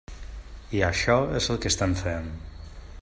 I això és el que estem fent.